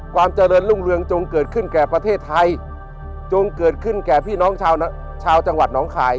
ความเจริญรุ่งเรืองจงเกิดขึ้นแก่ประเทศไทยจงเกิดขึ้นแก่พี่น้องชาวจังหวัดน้องคาย